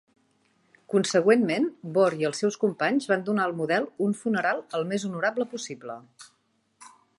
Consegüentment, Bohr i els seus companys van donar al model "un funeral el més honorable possible".